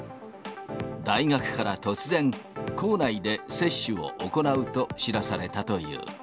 大学から突然、校内で接種を行うと知らされたという。